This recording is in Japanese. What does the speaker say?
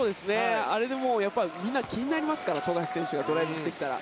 あれでもうみんな気になりますから富樫選手がドライブをしてきたら。